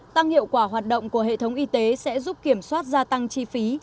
tăng hiệu quả hoạt động của hệ thống y tế sẽ giúp kiểm soát gia tăng chi phí